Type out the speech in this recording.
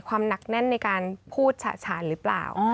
หนักแน่นในการพูดฉะฉานหรือเปล่า